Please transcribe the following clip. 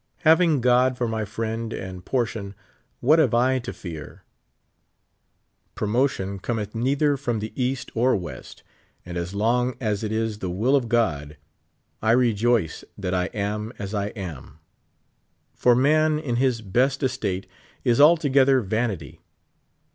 Having God for my friend and portion, what have I to fear? Promo tion conieth neither from the East or West ; and as long as it is the will of God, I rejoice that I am as I am ; for man in his best estate is altogether vanity.